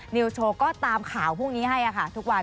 นิวโชว์ก็ตามข่าวพรุ่งนี้ให้ค่ะทุกวัน